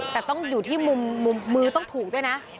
แต่ต้องอยู่ที่มุมมือต้องถูกด้วยนะ